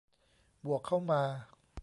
บวกเข้ามา